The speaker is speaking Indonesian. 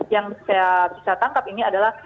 yang saya bisa tangkap ini adalah